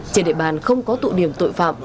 trên địa bàn không có tụ điểm tội phạm